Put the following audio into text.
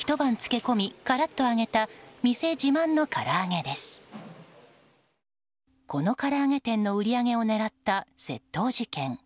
このから揚げ店の売り上げを狙った窃盗事件。